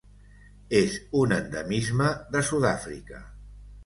És un endemisme de Sud-àfrica.